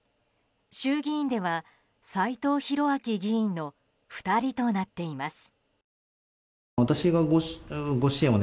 衆議院では斎藤洋明議員の２人となっています。